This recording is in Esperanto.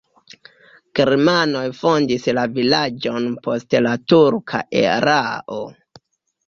Germanoj fondis la vilaĝon post la turka erao.